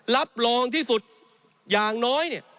รับรองที่สุดอย่างน้อย